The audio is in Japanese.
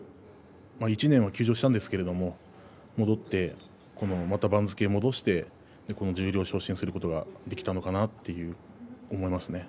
１年は休場したんですけれども戻って番付を戻して十両昇進することができたのかなと思いますね。